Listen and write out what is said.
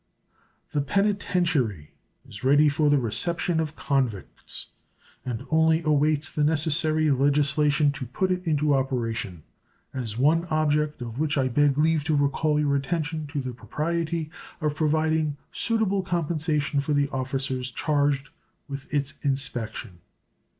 The penitentiary is ready for the reception of convicts, and only awaits the necessary legislation to put it into operation, as one object of which I beg leave to recall your attention to the propriety of providing suitable compensation for the officers charged with its inspection.